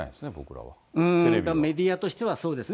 メディアとしてはそうですね。